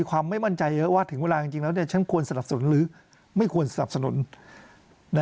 วาดถึงเวลาจริงแล้วฉันควรสนับสนุนหรือไม่ควรสนับสนุน